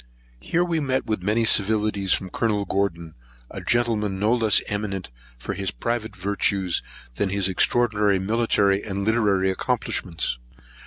Here we met with many civilities from Colonel Gordon; a gentleman no less eminent for his private virtues than his extraordinary military and literary accomplishments.